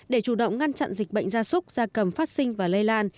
để chủ động ngăn chặn dịch bệnh gia súc gia cầm phát sinh và lây lan